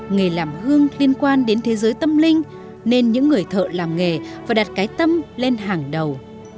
nghề làm hương liên quan đến thế giới tâm linh nên những người thợ làm nghề và đặt cái tâm lên hàng đầu